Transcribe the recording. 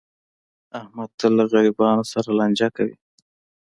احمد تل له غریبانو سره لانجه کوي.